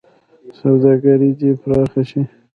سوداګري دې پراخه شي.